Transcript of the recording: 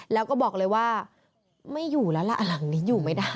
แล้วก็บอกเลยว่าไม่อยู่แล้วล่ะหลังนี้อยู่ไม่ได้